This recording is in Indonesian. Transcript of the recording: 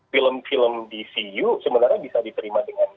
film film dcu sebenarnya bisa diterima dengan baik